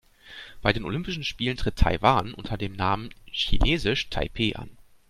Bei den Olympischen Spielen tritt Taiwan unter dem Namen „Chinesisch Taipeh“ an.